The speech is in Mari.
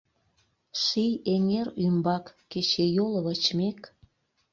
Ший эҥер ӱмбак кечыйол вочмек